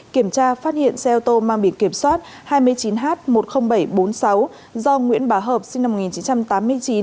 kiểm tra phát hiện xe ô tô mang biển kiểm soát hai mươi chín h một mươi nghìn bảy trăm bốn mươi sáu do nguyễn bá hợp sinh năm một nghìn chín trăm tám mươi chín